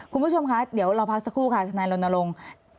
คุณผู้ชมคะเดี๋ยวเราพักสักครู่ค่ะทนายรณรงค์